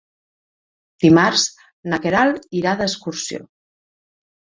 Dimarts na Queralt irà d'excursió.